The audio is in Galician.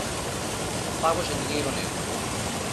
Pagos en diñeiro negro.